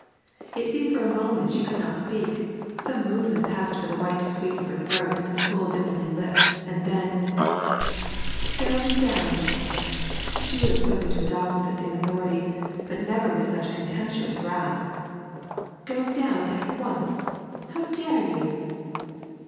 It seemed for a moment that she could not speak; some movement passed over the white sweep of her throat and the full dimpling lips, and then 'Go down!' She would have spoken to a dog with the same authority, but never with such contemptuous wrath. 'Go down at once! How dare you!'